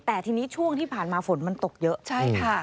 แต่ทีนี้ช่วงที่ผ่านมาฝนมันตกเยอะใช่ค่ะ